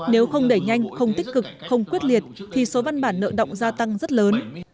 nếu không đẩy nhanh không tích cực không quyết liệt thì số văn bản nợ động gia tăng rất lớn